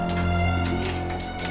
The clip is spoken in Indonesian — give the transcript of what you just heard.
saya juga berharga